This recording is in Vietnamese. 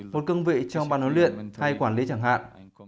một cương vị trong bàn huấn luyện hai quản lý chẳng hạn